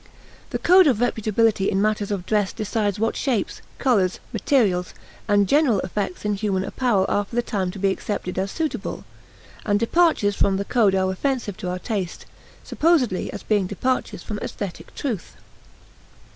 The code of reputability in matters of dress decides what shapes, colors, materials, and general effects in human apparel are for the time to be accepted as suitable; and departures from the code are offensive to our taste, supposedly as being departures from aesthetic truth.